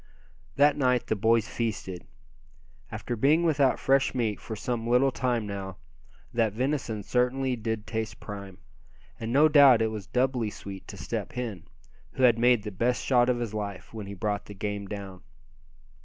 That night the boys feasted. After being without fresh meat for some little time now, that venison certainly did taste prime. And no doubt it was doubly sweet to Step Hen, who had made the best shot of his life when he brought the game down.